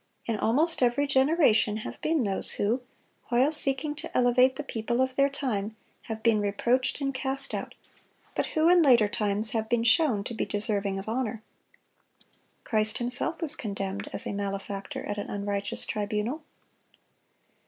In almost every generation have been those who, while seeking to elevate the people of their time, have been reproached and cast out, but who in later times have been shown to be deserving of honor. Christ Himself was condemned as a malefactor at an unrighteous tribunal.